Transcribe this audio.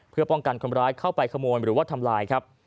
เพื่อป้องกันคนร้ายเข้าไปขโมยหรือว่าทำลายครับ